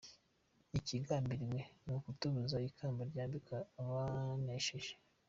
Ikigambiriwe ni ukutubuza ikamba ryambikwa abanesheje.